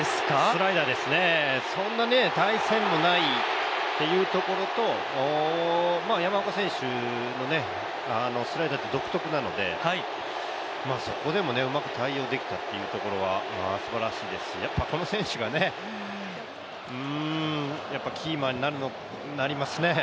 スライダーですね、そんな対戦がないというのと山岡選手のスライダーって独特なのでそこでもうまく対応できたっていうところはすばらしいですし、やっぱりこの選手がキーマンになりますね。